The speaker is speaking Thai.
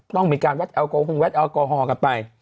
ต้องมีการแวดแอลโกโฮงแวดแอลโกฮอกันไป